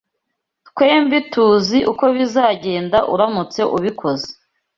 Twembi tuzi uko bizagenda uramutse ubikoze.